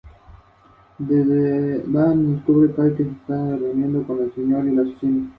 Se localizan en y emplean paracaídas redondos.